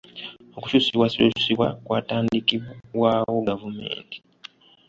Okukyusibwakyusibwa kwatandikibwawo gavumenti.